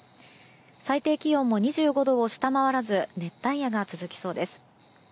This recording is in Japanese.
最低気温も２５度を下回らず熱帯夜が続きそうです。